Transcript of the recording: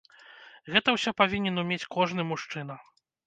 Гэта ўсё павінен умець кожны мужчына.